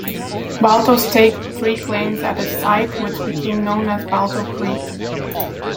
Balto staked three claims at a site which became known as Balto Creek.